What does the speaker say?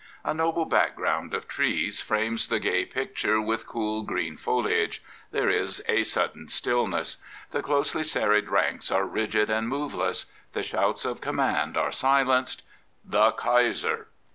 A noble background of trees frames the gay picture with cool, green foliage. There is a sudden stillness. The closely serried ranks are rigid and moveless. The shouts of conunand are silenced. The Kaiser.